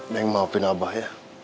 neng maafin abah ya